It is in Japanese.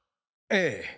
ええ。